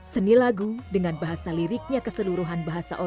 seni lagu dengan bahasa liriknya keseluruhan